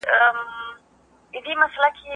د قانون پر وړاندې يې ټول برابر بلل.